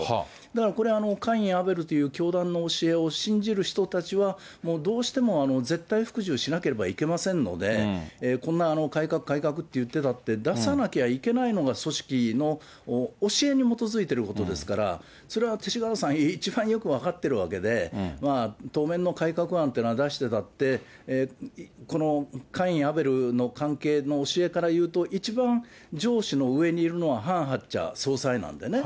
だからこれ、カイン、アベルという教団の教えを信じる人たちは、もうどうしても絶対服従しなければいけませんので、こんな改革、改革って言ってたって、出さなきゃいけないのが組織の教えに基づいていることですから、それは、勅使河原さん、一番分かっているわけで、まあ、当面の改革案っていうのは出してたって、このカイン、アベルの関係の教えからいうと、一番上司の上にいるのは、ハン・ハクチャ総裁なんでね。